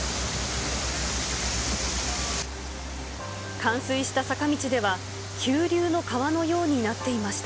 冠水した坂道では、急流の川のようになっていました。